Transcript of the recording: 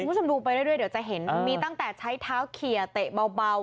คุณผู้ชมดูไปเรื่อยเดี๋ยวจะเห็นมีตั้งแต่ใช้เท้าเขียเตะเบา